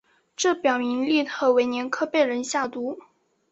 这表明利特维年科被人下毒。